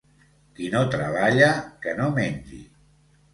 Qui no treballa que no mengi.